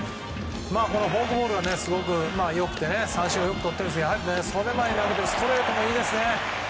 フォークボールがすごく良くて三振をよくとっているんですがその前に投げているストレートもいいですね。